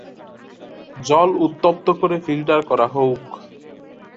জল উত্তপ্ত করে ফিল্টার করা হউক।